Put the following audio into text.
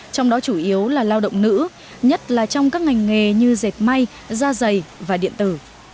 trong đó chủ yếu là lao động nữ nhất là trong các ngành nghề như dệt may da dày và điện tử